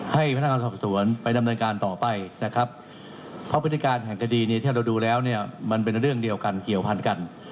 ให้พนักงานสอบสวนไปดำเนินการต่อไปนะครับเพราะพฤติการแห่งคดีเนี่ยถ้าเราดูแล้วเนี่ยมันเป็นเรื่องเดียวกันเกี่ยวพันกัน